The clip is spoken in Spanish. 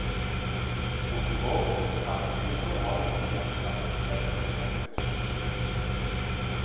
Cultivó el panegírico áulico y la poesía satírico-burlesca.